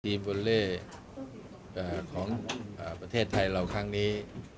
ทีมวอลเล่ของประเทศไทยเหล่าครั้งนี้